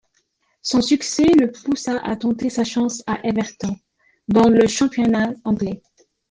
Son succès le poussa à tenter sa chance à Everton, dans le championnat anglais.